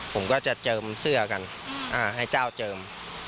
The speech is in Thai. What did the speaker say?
ผมก็จะเจิมเสื้อกันให้เจ้าเจิม